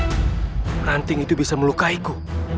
meranting itu bisa melukai ku